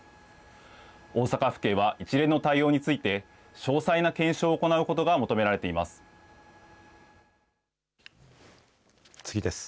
大阪府警は一連の対応について、詳細な検証を行うことが求められています。